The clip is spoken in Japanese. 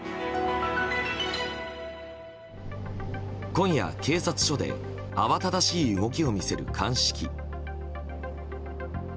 今夜、警察署で慌ただしい動きを見せる鑑識。